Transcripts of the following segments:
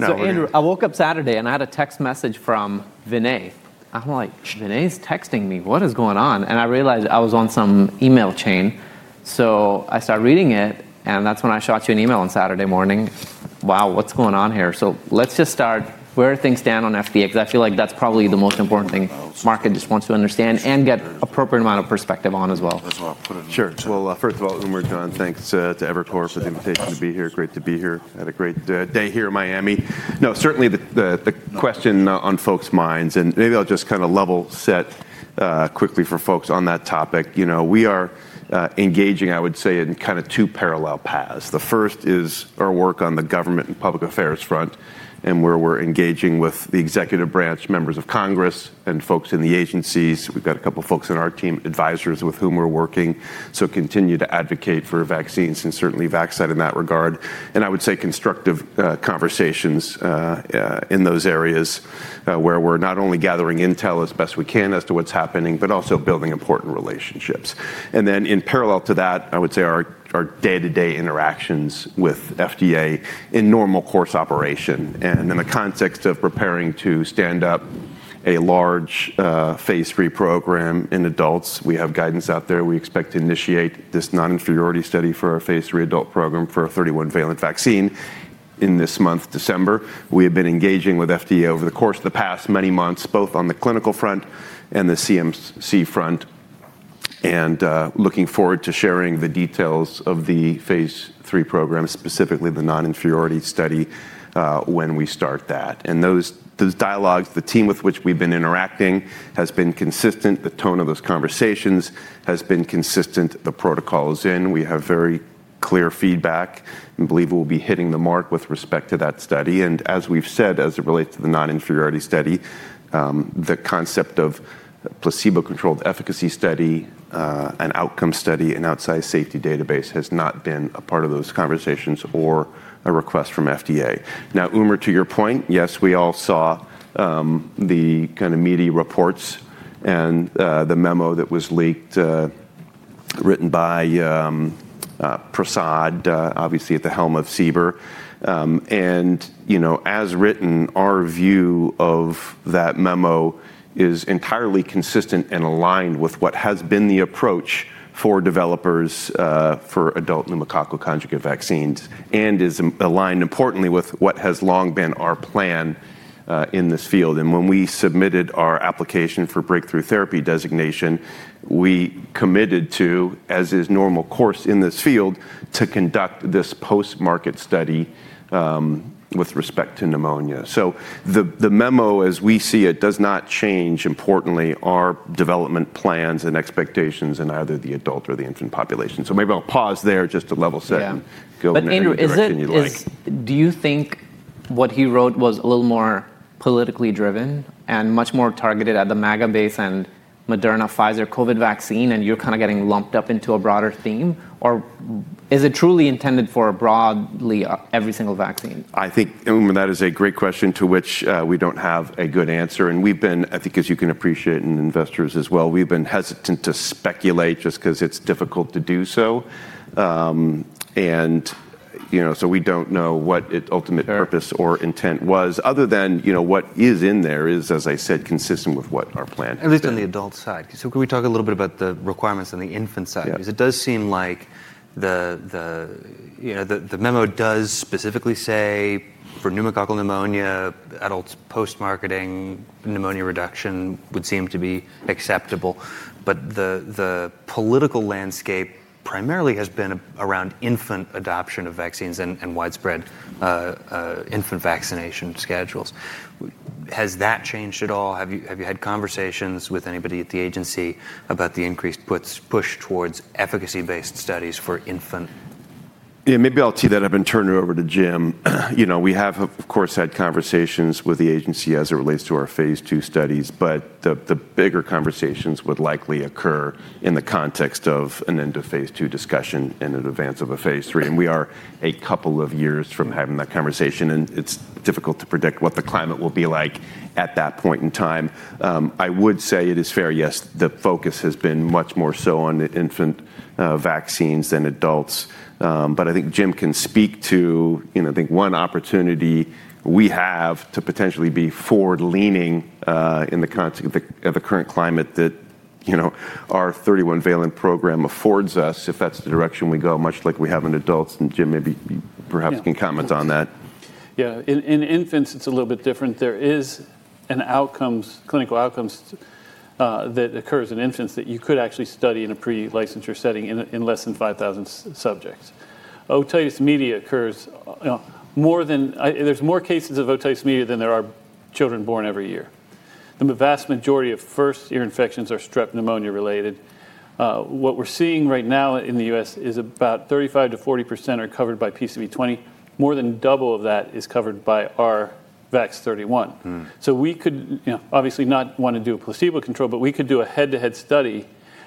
So, Andrew, I woke up Saturday and I had a text message from Vinay. I'm like, Vinay's texting me. What is going on? And I realized I was on some email chain. So I started reading it, and that's when I shot you an email on Saturday morning. Wow, what's going on here? So let's just start. Where are things standing on FDA? Because I feel like that's probably the most important thing the market just wants to understand and get an appropriate amount of perspective on as well. Sure, well, first of all, Umar, John, thanks to Evercore for the invitation to be here. Great to be here. Had a great day here in Miami. No, certainly the question on folks' minds, and maybe I'll just kind of level set quickly for folks on that topic. You know, we are engaging, I would say, in kind of two parallel paths. The first is our work on the government and public affairs front, and where we're engaging with the executive branch, members of Congress, and folks in the agencies. We've got a couple of folks on our team, advisors with whom we're working, so continue to advocate for vaccines and certainly Vaxcyte in that regard, and I would say constructive conversations in those areas where we're not only gathering intel as best we can as to what's happening, but also building important relationships. And then, in parallel to that, I would say our day-to-day interactions with FDA in normal course operation. In the context of preparing to stand up a large phase III program in adults, we have guidance out there. We expect to initiate this non-inferiority study for our phase III adult program for a 31-valent vaccine in this month, December. We have been engaging with FDA over the course of the past many months, both on the clinical front and the CMC front, and looking forward to sharing the details of the phase III program, specifically the non-inferiority study, when we start that. Those dialogues, the team with which we've been interacting, has been consistent. The tone of those conversations has been consistent. The protocol is in. We have very clear feedback and believe we'll be hitting the mark with respect to that study. As we've said, as it relates to the non-inferiority study, the concept of placebo-controlled efficacy study and outcome study and outside safety database has not been a part of those conversations or a request from FDA. Now, Umar, to your point, yes, we all saw the kind of meaty reports and the memo that was leaked, written by Prasad, obviously at the helm of CBER. And, you know, as written, our view of that memo is entirely consistent and aligned with what has been the approach for developers for adult pneumococcal conjugate vaccines and is aligned importantly with what has long been our plan in this field. And when we submitted our application for breakthrough therapy designation, we committed to, as is normal course in this field, to conduct this post-market study with respect to pneumonia. So the memo, as we see it, does not change importantly our development plans and expectations in either the adult or the infant population. So maybe I'll pause there just to level set and go into that. But Andrew, do you think what he wrote was a little more politically driven and much more targeted at the MAGA base and Moderna and Pfizer COVID-19 vaccine, and you're kind of getting lumped into a broader theme? Or is it truly intended for broadly every single vaccine? I think, Umar, that is a great question to which we don't have a good answer, and we've been, I think, as you can appreciate and investors as well, we've been hesitant to speculate just because it's difficult to do so, and, you know, so we don't know what its ultimate purpose or intent was, other than, you know, what is in there is, as I said, consistent with what our plan is. At least on the adult side. So can we talk a little bit about the requirements on the infant side? Because it does seem like the memo does specifically say for pneumococcal pneumonia, adults post-marketing, pneumonia reduction would seem to be acceptable. But the political landscape primarily has been around infant adoption of vaccines and widespread infant vaccination schedules. Has that changed at all? Have you had conversations with anybody at the agency about the increased push towards efficacy-based studies for infant? Yeah, maybe I'll tee that up and turn it over to Jim. You know, we have, of course, had conversations with the agency as it relates to our phase II studies, but the bigger conversations would likely occur in the context of an end of phase II discussion in advance of a phase III. And we are a couple of years from having that conversation, and it's difficult to predict what the climate will be like at that point in time. I would say it is fair, yes, the focus has been much more so on the infant vaccines than adults. But I think Jim can speak to, you know, I think one opportunity we have to potentially be forward-leaning in the current climate that, you know, our 31-valent program affords us, if that's the direction we go, much like we have in adults. Jim, maybe perhaps you can comment on that. Yeah, in infants, it's a little bit different. There are clinical outcomes that occur in infants that you could actually study in a pre-licensure setting in less than 5,000 subjects. Otitis media occurs; there are more cases of otitis media than there are children born every year. The vast majority of first-year infections are strep pneumonia-related. What we're seeing right now in the U.S. is about 35%-40% are covered by PCV20. More than double of that is covered by our VAX-31. So we could, you know, obviously not want to do a placebo control, but we could do a head-to-head study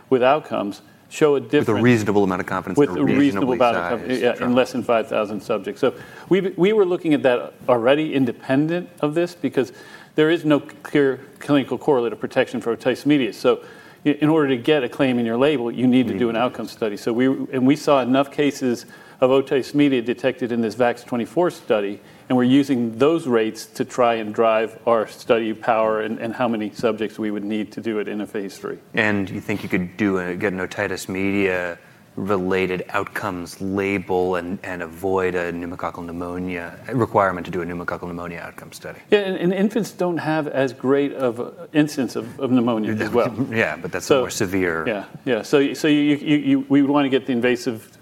with outcomes, show a difference. With a reasonable amount of confidence. With a reasonable amount of confidence in less than 5,000 subjects. So we were looking at that already, independent of this, because there is no clear clinical correlate of protection for otitis media. So in order to get a claim in your label, you need to do an outcome study. So we saw enough cases of otitis media detected in this VAX-24 study, and we're using those rates to try and drive our study power and how many subjects we would need to do it in a phase III. You think you could get an otitis media-related outcomes label and avoid a pneumococcal pneumonia requirement to do a pneumococcal pneumonia outcome study? Yeah, and infants don't have as great of incidence of pneumonia as well. Yeah, but that's a more severe. Yeah, yeah. So we would want to get the invasive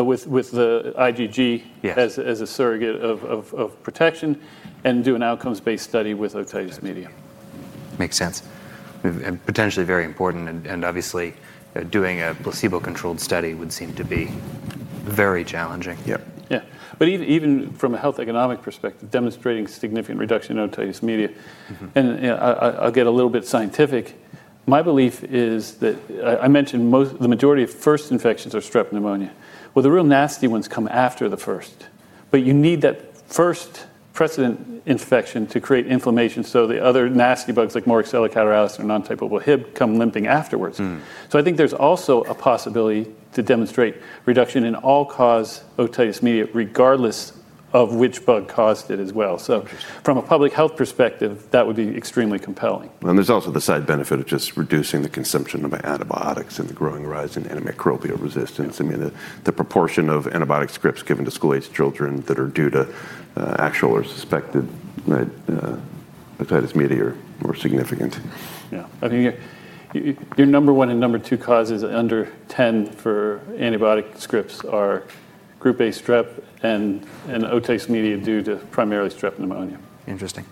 with the IgG as a surrogate of protection and do an outcomes-based study with otitis media. Makes sense. Potentially very important and obviously, doing a placebo-controlled study would seem to be very challenging. Yeah, yeah. But even from a health economic perspective, demonstrating significant reduction in otitis media, and I'll get a little bit scientific. My belief is that I mentioned the majority of first infections are strep pneumonia. Well, the real nasty ones come after the first. But you need that first preceding infection to create inflammation so the other nasty bugs like Moraxella catarrhalis, nontypeable Hib, come limping afterwards. So I think there's also a possibility to demonstrate reduction in all-cause otitis media regardless of which bug caused it as well. So from a public health perspective, that would be extremely compelling. There's also the side benefit of just reducing the consumption of antibiotics and the growing rise in antimicrobial resistance. I mean, the proportion of antibiotic scripts given to school-aged children that are due to actual or suspected otitis media are significant. Yeah. I think your number one and number two causes under 10 for antibiotic scripts are group A strep and otitis media due to primarily Strep pneumoniae. Interesting.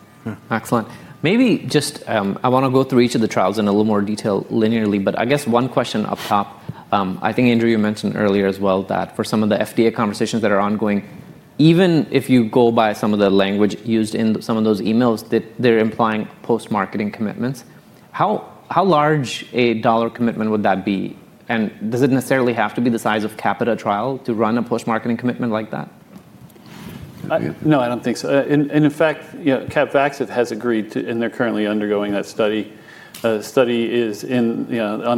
Excellent. Maybe just I want to go through each of the trials in a little more detail linearly, but I guess one question up top. I think, Andrew, you mentioned earlier as well that for some of the FDA conversations that are ongoing, even if you go by some of the language used in some of those emails, they're implying post-marketing commitments. How large a dollar commitment would that be? And does it necessarily have to be the size of CAPiTA trial to run a post-marketing commitment like that? No, I don't think so. And in fact, Capvax have agreed to, and they're currently undergoing that study. The study is on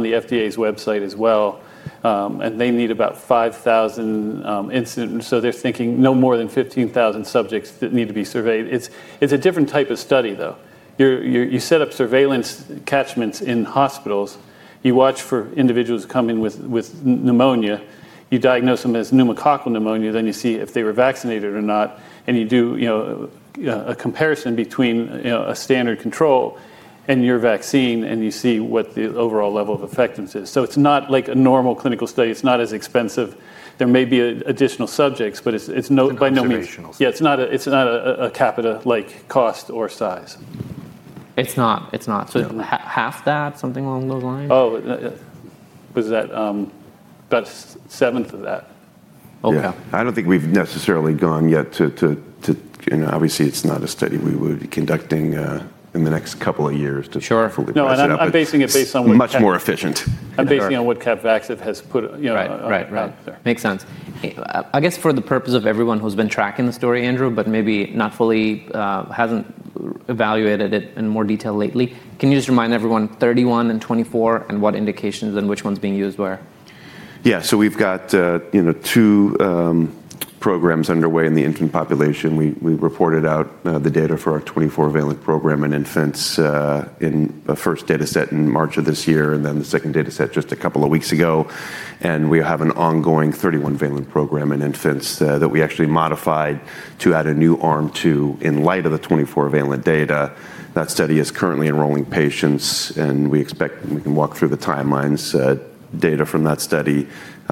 the FDA's website as well. And they need about 5,000 incidents. So they're thinking no more than 15,000 subjects that need to be surveyed. It's a different type of study, though. You set up surveillance catchments in hospitals. You watch for individuals coming with pneumonia. You diagnose them as pneumococcal pneumonia. Then you see if they were vaccinated or not. And you do a comparison between a standard control and your vaccine, and you see what the overall level of effectiveness is. So it's not like a normal clinical study. It's not as expensive. There may be additional subjects, but it's by no means. It's inspirational. Yeah, it's not a CAPiTA-like cost or size. It's not. So half that, something along those lines? Oh, was that about a seventh of that? Oh, yeah. I don't think we've necessarily gone yet to, and obviously it's not a study we would be conducting in the next couple of years to fully. Sure. No, I'm basing it on what. Much more efficient. I'm basing it on what Capvax Therapeutics have put out there. Right, right, right. Makes sense. I guess for the purpose of everyone who's been tracking the story, Andrew, but maybe not fully hasn't evaluated it in more detail lately, can you just remind everyone 31 and 24 and what indications and which ones being used where? Yeah, so we've got two programs underway in the infant population. We reported out the data for our 24-valent program in infants in the first dataset in March of this year and then the second dataset just a couple of weeks ago. And we have an ongoing 31-valent program in infants that we actually modified to add a new arm to in light of the 24-valent data. That study is currently enrolling patients, and we expect we can walk through the timelines data from that study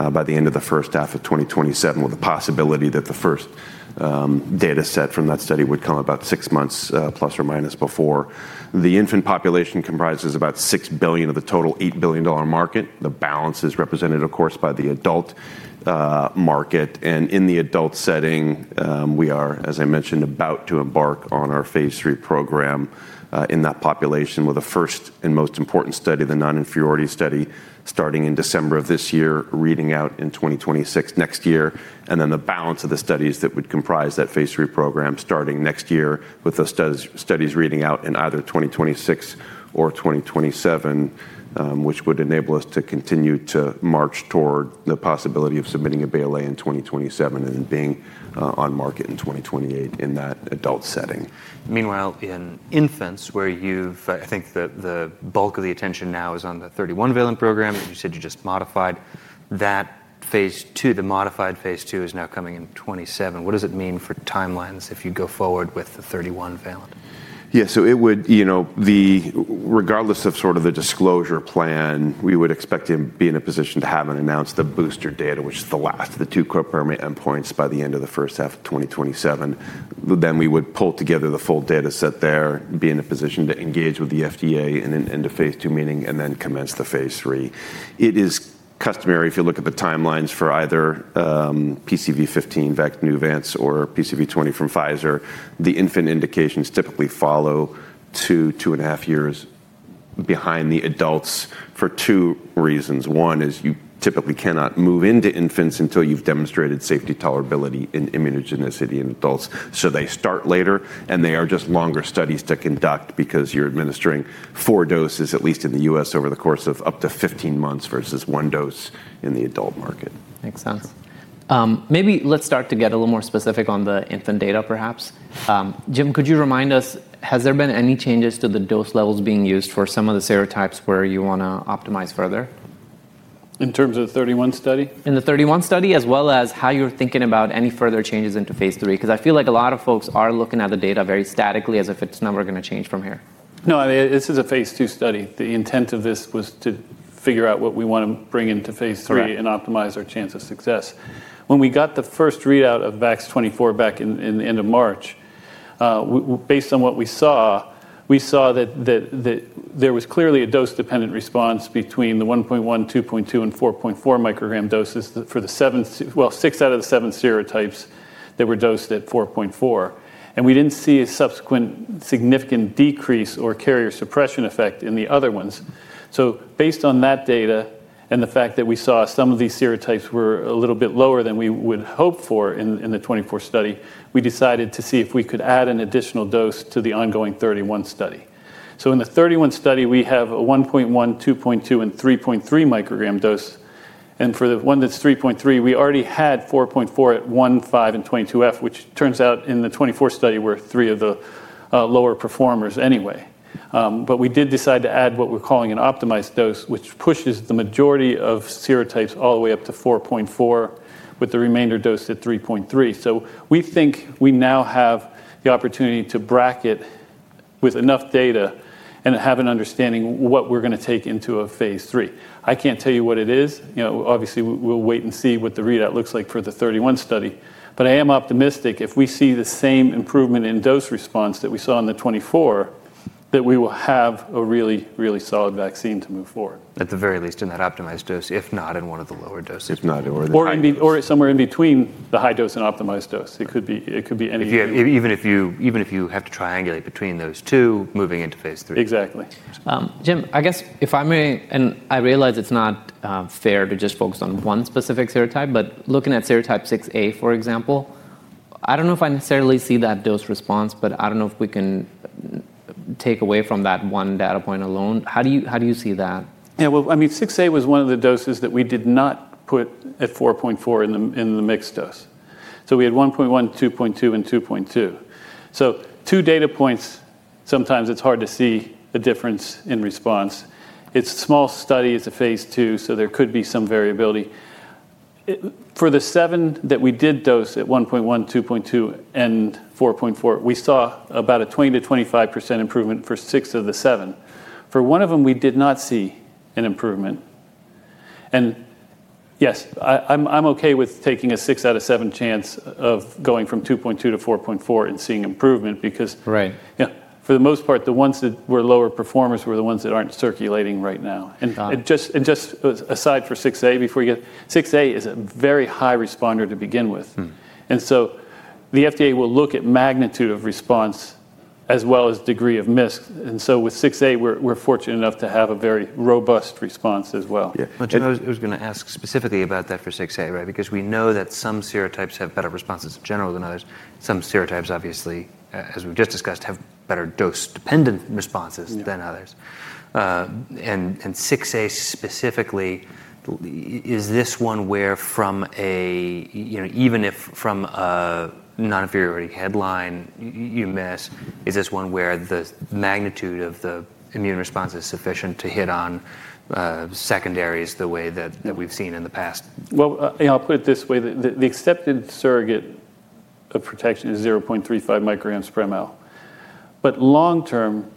by the end of the first half of 2027 with the possibility that the first dataset from that study would come about six months plus or minus before. The infant population comprises about $6 billion of the total $8 billion market. The balance is represented, of course, by the adult market. In the adult setting, we are, as I mentioned, about to embark on our phase III program in that population with the first and most important study, the non-inferiority study, starting in December of this year, reading out in 2026 next year. Then the balance of the studies that would comprise that phase III program starting next year with those studies reading out in either 2026 or 2027, which would enable us to continue to march toward the possibility of submitting a BLA in 2027 and then being on market in 2028 in that adult setting. Meanwhile, in infants, where you've, I think the bulk of the attention now is on the 31-valent program, and you said you just modified that phase II, the modified phase II is now coming in 2027. What does it mean for timelines if you go forward with the 31-valent? Yeah, so it would, you know, regardless of sort of the disclosure plan, we would expect to be in a position to have and announce the booster data, which is the last of the two co-primary endpoints by the end of the first half of 2027. Then we would pull together the full dataset there, be in a position to engage with the FDA in a phase II meeting, and then commence the phase III. It is customary, if you look at the timelines for either PCV15, Vaxneuvance, or PCV20 from Pfizer, the infant indications typically follow two to two and a half years behind the adults for two reasons. One is you typically cannot move into infants until you've demonstrated safety, tolerability, and immunogenicity in adults. So they start later, and they are just longer studies to conduct because you're administering four doses, at least in the U.S., over the course of up to 15 months versus one dose in the adult market. Makes sense. Maybe let's start to get a little more specific on the infant data, perhaps. Jim, could you remind us, has there been any changes to the dose levels being used for some of the serotypes where you want to optimize further? In terms of the 31 study? In the VAX-31 study, as well as how you're thinking about any further changes into phase III, because I feel like a lot of folks are looking at the data very statically as if it's never going to change from here. No, this is a phase II study. The intent of this was to figure out what we want to bring into phase III and optimize our chance of success. When we got the first readout of VAX-24 back in the end of March, based on what we saw, we saw that there was clearly a dose-dependent response between the 1.1, 2.2, and 4.4 microgram doses for the seven, well, six out of the seven serotypes that were dosed at 4.4, and we didn't see a subsequent significant decrease or carrier suppression effect in the other ones, so based on that data and the fact that we saw some of these serotypes were a little bit lower than we would hope for in the VAX-24 study, we decided to see if we could add an additional dose to the ongoing VAX-31 study. So in the 31 study, we have a 1.1, 2.2, and 3.3 microgram dose. And for the one that's 3.3, we already had 4.4 at 1, 5, and 22F, which turns out in the 24 study were three of the lower performers anyway. But we did decide to add what we're calling an optimized dose, which pushes the majority of serotypes all the way up to 4.4 with the remainder dose at 3.3. So we think we now have the opportunity to bracket with enough data and have an understanding of what we're going to take into a phase III. I can't tell you what it is. Obviously, we'll wait and see what the readout looks like for the 31 study. But I am optimistic if we see the same improvement in dose response that we saw in the 24, that we will have a really, really solid vaccine to move forward. At the very least in that optimized dose, if not in one of the lower doses. If not, or somewhere in between the high dose and optimized dose. It could be anything. Even if you have to triangulate between those two, moving into phase III. Exactly. Jim, I guess if I may, and I realize it's not fair to just focus on one specific serotype, but looking at serotype 6A, for example, I don't know if I necessarily see that dose response, but I don't know if we can take away from that one data point alone. How do you see that? Yeah, well, I mean, 6A was one of the doses that we did not put at 4.4 in the mixed dose. So we had 1.1, 2.2, and 2.2. So two data points, sometimes it's hard to see the difference in response. It's a small study. It's a phase II, so there could be some variability. For the seven that we did dose at 1.1, 2.2, and 4.4, we saw about a 20%-25% improvement for six of the seven. For one of them, we did not see an improvement. And yes, I'm okay with taking a six out of seven chance of going from 2.2 to 4.4 and seeing improvement because, yeah, for the most part, the ones that were lower performers were the ones that aren't circulating right now. And just aside for 6A, before you get 6A is a very high responder to begin with. And so the FDA will look at magnitude of response as well as degree of miss. And so with 6A, we're fortunate enough to have a very robust response as well. Yeah. But Jim, I was going to ask specifically about that for 6A, right? Because we know that some serotypes have better responses in general than others. Some serotypes, obviously, as we've just discussed, have better dose-dependent responses than others. And 6A specifically, is this one where from a, even if from a non-inferiority headline you miss, is this one where the magnitude of the immune response is sufficient to hit on secondaries the way that we've seen in the past? I'll put it this way. The accepted surrogate of protection is 0.35 micrograms per mL. But long-term,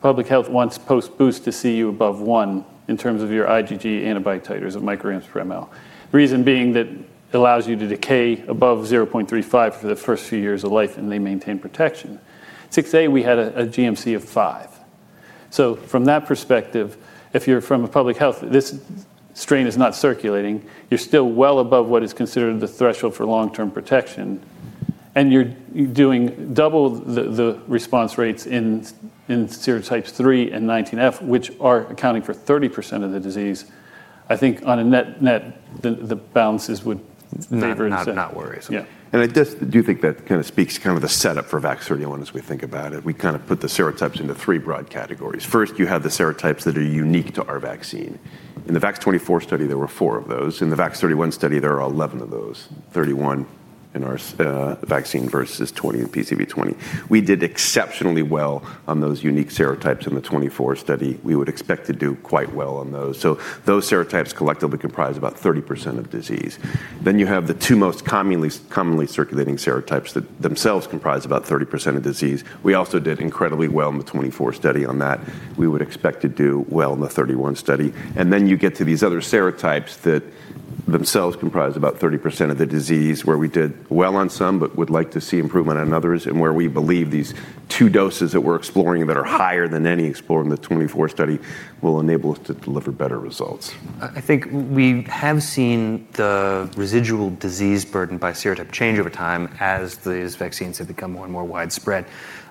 public health wants post-boost to see you above one in terms of your IgG antibody titers of micrograms per ml. The reason being that it allows you to decay above 0.35 for the first few years of life and they maintain protection. 6A, we had a GMC of five. So from that perspective, if you're from a public health, this strain is not circulating. You're still well above what is considered the threshold for long-term protection. And you're doing double the response rates in serotypes three and 19F, which are accounting for 30% of the disease. I think on a net, the balances would favor instead. Not worrisome. Yeah. And I just do think that kind of speaks kind of the setup for VAX-31 as we think about it. We kind of put the serotypes into three broad categories. First, you have the serotypes that are unique to our vaccine. In the VAX-24 study, there were four of those. In the VAX-31 study, there are 11 of those, 31 in our vaccine versus 20 in PCV20. We did exceptionally well on those unique serotypes in the 24 study. We would expect to do quite well on those. So those serotypes collectively comprise about 30% of disease. Then you have the two most commonly circulating serotypes that themselves comprise about 30% of disease. We also did incredibly well in the 24 study on that. We would expect to do well in the VAX-31 study. And then you get to these other serotypes that themselves comprise about 30% of the disease where we did well on some, but would like to see improvement on others, and where we believe these two doses that we're exploring that are higher than any explored in the 24 study will enable us to deliver better results. I think we have seen the residual disease burden by serotype change over time as these vaccines have become more and more widespread.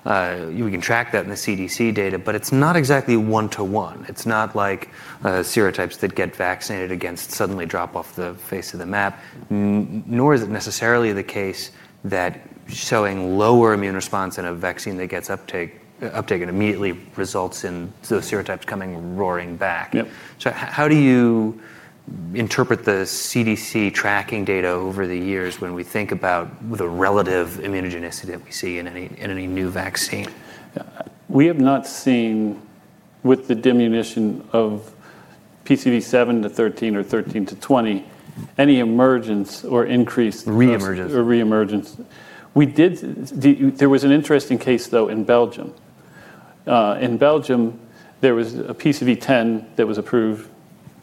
We can track that in the CDC data, but it's not exactly one-to-one. It's not like serotypes that get vaccinated against suddenly drop off the face of the map, nor is it necessarily the case that showing lower immune response in a vaccine that gets uptake and immediately results in those serotypes coming roaring back. So how do you interpret the CDC tracking data over the years when we think about the relative immunogenicity that we see in any new vaccine? We have not seen with the diminution of PCV7 to PCV13 or PCV13 to PCV20, any emergence or increase. Reemergence. Or reemergence. There was an interesting case, though, in Belgium. In Belgium, there was a PCV10 that was approved,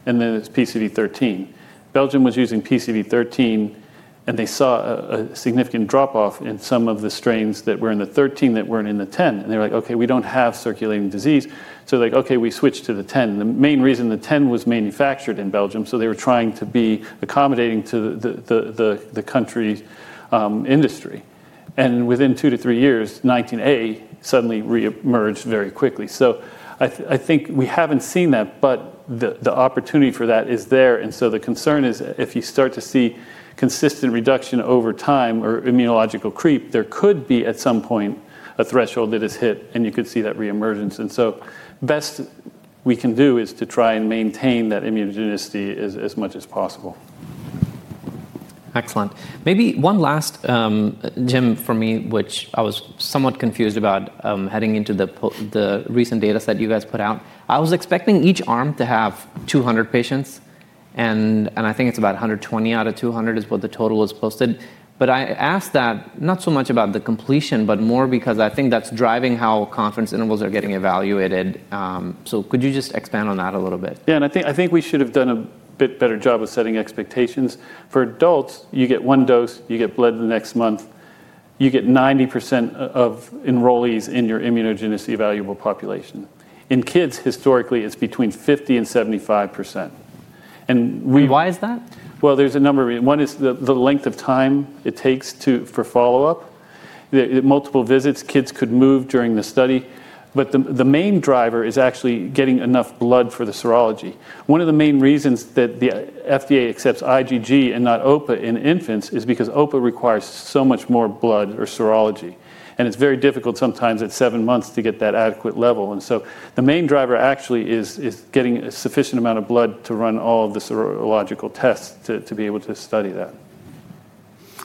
and then it was PCV13. Belgium was using PCV13, and they saw a significant drop-off in some of the strains that were in the 13 that weren't in the 10. And they were like, "Okay, we don't have circulating disease." So they're like, "Okay, we switched to the 10." The main reason the 10 was manufactured in Belgium. So they were trying to be accommodating to the country's industry. And within two to three years, 19A suddenly reemerged very quickly. So I think we haven't seen that, but the opportunity for that is there. And so the concern is if you start to see consistent reduction over time or immunological creep, there could be at some point a threshold that is hit, and you could see that reemergence. And so best we can do is to try and maintain that immunogenicity as much as possible. Excellent. Maybe one last, Jim, for me, which I was somewhat confused about heading into the recent data set you guys put out. I was expecting each arm to have 200 patients, and I think it's about 120 out of 200 is what the total was posted. But I asked that not so much about the completion, but more because I think that's driving how confidence intervals are getting evaluated. So could you just expand on that a little bit? Yeah, and I think we should have done a bit better job of setting expectations. For adults, you get one dose, you get blood the next month, you get 90% of enrollees in your immunogenicity-evaluable population. In kids, historically, it's between 50%-75%. Why is that? There's a number of reasons. One is the length of time it takes for follow-up. Multiple visits, kids could move during the study. The main driver is actually getting enough blood for the serology. One of the main reasons that the FDA accepts IgG and not OPA in infants is because OPA requires so much more blood or serology. It's very difficult sometimes at seven months to get that adequate level. The main driver actually is getting a sufficient amount of blood to run all of the serological tests to be able to study that.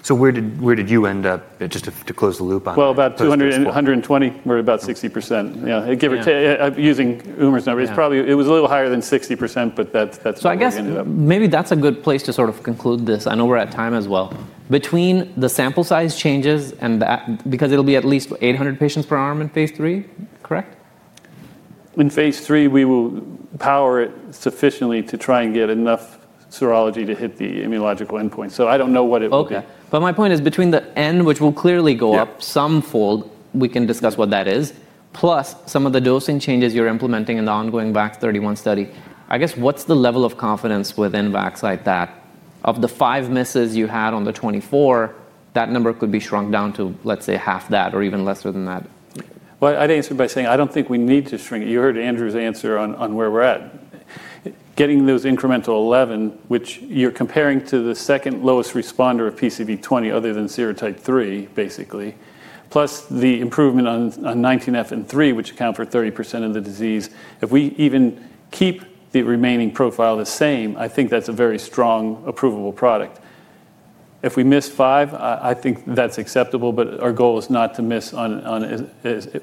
So, where did you end up, just to close the loop on that? About 220, we're about 60%. Yeah, using UMRS number, it was a little higher than 60%, but that's where we ended up. So, I guess maybe that's a good place to sort of conclude this. I know we're at time as well. Between the sample size changes and because it'll be at least 800 patients per arm in phase III, correct? In phase III, we will power it sufficiently to try and get enough serology to hit the immunological endpoint. So I don't know what it will be. Okay. But my point is between the end, which will clearly go up some fold, we can discuss what that is, plus some of the dosing changes you're implementing in the ongoing VAX-31 study. I guess what's the level of confidence within Vaxcyte like that? Of the five misses you had on the VAX-24, that number could be shrunk down to, let's say, half that or even less than that. I'd answer by saying I don't think we need to shrink. You heard Andrew's answer on where we're at. Getting those incremental 11, which you're comparing to the second lowest responder of PCV20 other than serotype three, basically, plus the improvement on 19F and three, which account for 30% of the disease, if we even keep the remaining profile the same, I think that's a very strong approvable product. If we miss five, I think that's acceptable, but our goal is not to miss on.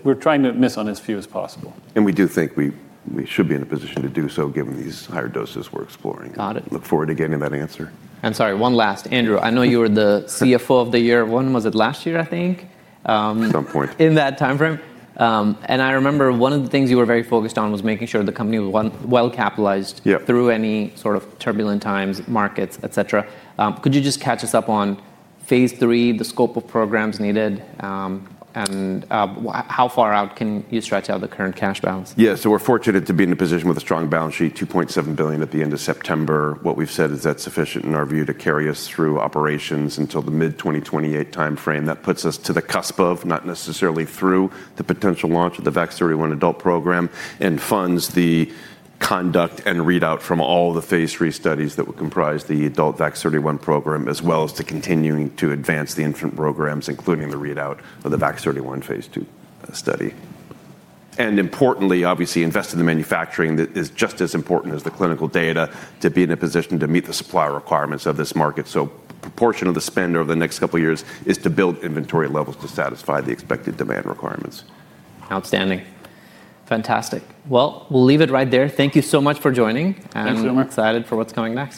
We're trying to miss on as few as possible. We do think we should be in a position to do so given these higher doses we're exploring. Got it. Look forward to getting that answer. And, sorry, one last. Andrew, I know you were the CFO of the year. When was it? Last year, I think. Some point. In that time frame. And I remember one of the things you were very focused on was making sure the company was well capitalized through any sort of turbulent times, markets, etc. Could you just catch us up on phase III, the scope of programs needed, and how far out can you stretch out the current cash balance? Yeah, so we're fortunate to be in a position with a strong balance sheet, $2.7 billion at the end of September. What we've said is that's sufficient in our view to carry us through operations until the mid-2028 time frame. That puts us to the cusp of, not necessarily through, the potential launch of the VAX-31 adult program and funds the conduct and readout from all the phase III studies that would comprise the adult VAX-31 program, as well as to continue to advance the infant programs, including the readout of the VAX-31 phase II study. And importantly, obviously, invest in the manufacturing that is just as important as the clinical data to be in a position to meet the supply requirements of this market. So a proportion of the spend over the next couple of years is to build inventory levels to satisfy the expected demand requirements. Outstanding. Fantastic. Well, we'll leave it right there. Thank you so much for joining. Thanks, Umar. I'm excited for what's coming up.